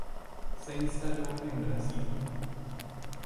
Se instaló en Brasil.